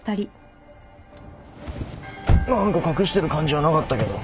何か隠してる感じはなかったけど。